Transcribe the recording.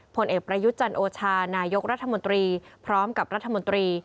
ผลเอกประยุทธ์จันโอชานายกรัฐมนตรีพร้อมกับรัฐมนตรี